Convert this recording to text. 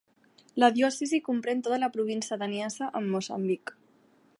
La diòcesi comprèn tota la província de Niassa a Moçambic.